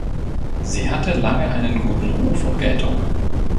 Sie hatte lange einen guten Ruf und Geltung.